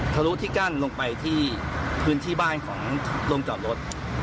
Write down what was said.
ทะลุที่กั้นลงไปที่พื้นที่บ้านของโรงจอดรถ